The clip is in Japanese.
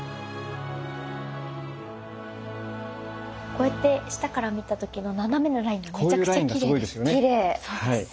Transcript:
こうやって下から見た時の斜めのラインがめちゃくちゃきれいです。